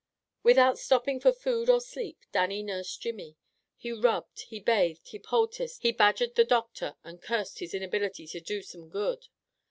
Without stopping for food or sleep, Dannie nursed Jimmy. He rubbed, he bathed, he poulticed, he badgered the doctor and cursed his inability to do some good.